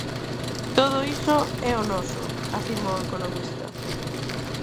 "Todo iso é o noso", afirma o economista.